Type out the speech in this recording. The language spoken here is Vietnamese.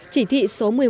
chỉ thị số một mươi một